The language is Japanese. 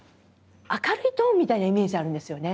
明るいトーンみたいなイメージあるんですよね。